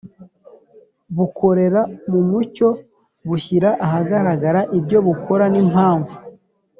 bukorera mu mucyo bushyira ahagaragara ibyo bukora n'impamvu